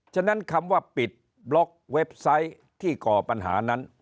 ฉะนั้นคำว่าปิดบล็อกเว็บไซต์ที่ก่อปัญหานั้น